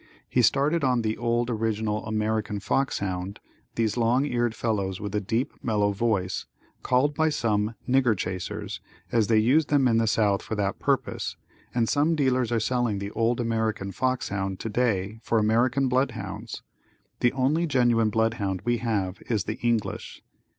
He started on the old original American fox hound, these long eared fellows with a deep mellow voice, called by some nigger chasers, as they used them in the south for that purpose, and some dealers are selling the old American Fox Hound today for American Blood Hounds. The only genuine blood hound we have is the English.